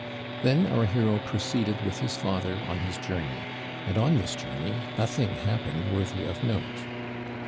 Then our hero proceeded with his father on his journey, and on this journey nothing happened worthy of note.